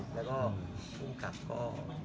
แล้วก็ภูมิกับก็